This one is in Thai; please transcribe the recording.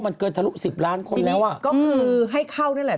มันเกินทะลุสิบล้านคนแล้วอ่ะก็คือให้เข้านี่แหละ